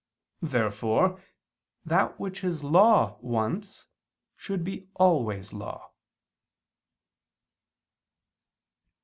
Therefore that which is law once, should be always law.